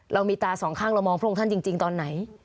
เรามีตาสองข้างเรามองพระองค์ท่านจริงตอนไหน